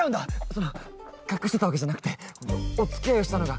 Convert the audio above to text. その隠してたわけじゃなくておつきあいをしたのが。